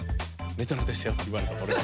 メトロですよ」って言われてん俺も。